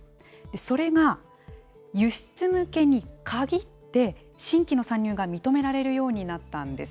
それが輸出向けに限って、新規の参入が認められるようになったんです。